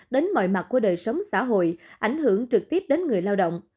đến mọi mặt của đời sống xã hội ảnh hưởng trực tiếp đến người lao động